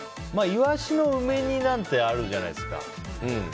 イワシの梅煮なんてあるじゃないですか。